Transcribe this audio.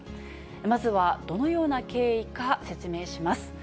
まずはどのような経緯か、説明します。